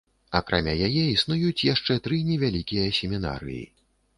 Акрамя яе існуюць яшчэ тры невялікія семінарыі.